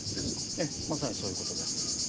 ええまさにそういうことです。